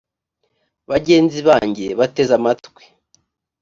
bagenzi banjye bateze amatwi